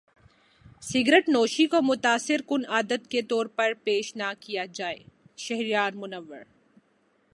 cigarette نوشی کو متاثر کن عادت کے طور پر پیش نہ کیا جائے شہریار منور